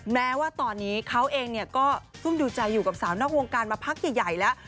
แม้ว่าตอนนี้เขาเองก็ซุ่มดูใจอยู่กับสาวนอกวงการมาพักใหญ่แล้ว